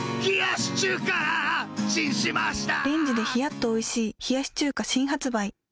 レンジでひやっとおいしい冷やし中華、新発売。